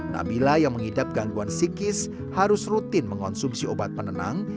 nabila yang mengidap gangguan psikis harus rutin mengonsumsi obat penenang